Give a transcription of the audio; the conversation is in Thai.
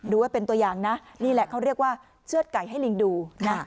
ดูไว้เป็นตัวอย่างนะนี่แหละเขาเรียกว่าเชือดไก่ให้ลิงดูนะ